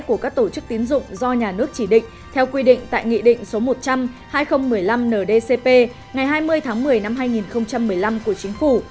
của các tổ chức tín dụng do nhà nước chỉ định theo quy định tại nghị định số một trăm linh hai nghìn một mươi năm ndcp ngày hai mươi tháng một mươi năm hai nghìn một mươi năm của chính phủ